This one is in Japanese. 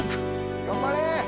頑張れ！